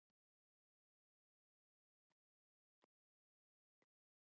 Worrell missed six games after suffering a concussion.